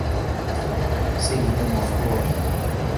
وَسَيِّدًا مَذْكُورًا